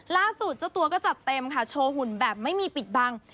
เจ้าตัวก็จัดเต็มค่ะโชว์หุ่นแบบไม่มีปิดบัง